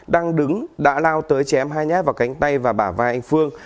đang đứng đã lao tới chém hai nhát vào cánh tay và bả vai anh phương